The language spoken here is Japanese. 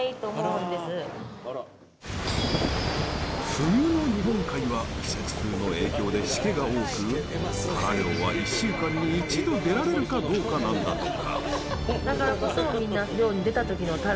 冬の日本海は季節風の影響でしけが多くタラ漁は１週間に１度出られるかどうかなんだとか。